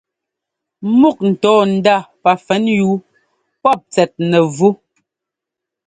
Múk ńtɔ́ɔ ndá pafɛnyúu pɔ́p tsɛt nɛvú.